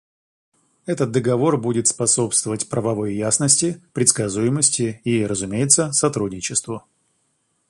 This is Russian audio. Этот Договор будет способствовать правовой ясности, предсказуемости и, разумеется, сотрудничеству.